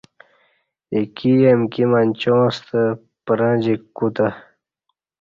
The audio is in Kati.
ایکی امکی مچاں ستہ پرݩجیک کوتہ